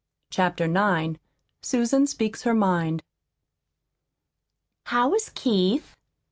CHAPTER IX SUSAN SPEAKS HER MIND "How's Keith?"